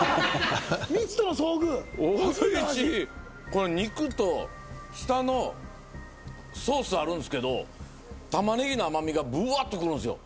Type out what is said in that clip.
この肉と下のソースあるんですけど玉ねぎの甘みがブワッとくるんですよ